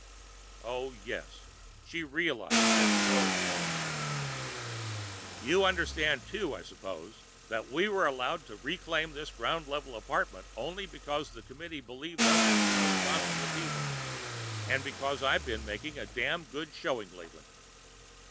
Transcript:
Oh, yes, she realized what the world was like. "You understand, too, I suppose, that we were allowed to reclaim this ground level apartment only because the Committee believed us to be responsible people, and because I've been making a damn good showing lately?"